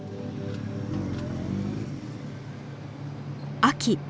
秋。